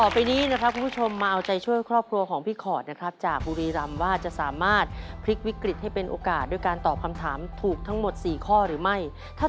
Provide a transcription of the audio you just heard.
โปรดติดตามตอนต่อไป